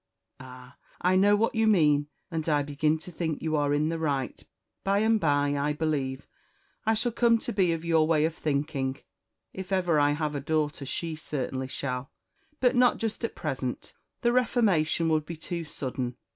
"Ah! I know what you mean, and I begin to think you are in the right; by and bye, I believe, I shall come to be of your way of thinking (if ever I have a daughter she certainly shall), but not just at present, the reformation would be too sudden.